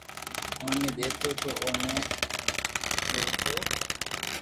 اوني ديتو تو اوني تونا ديتو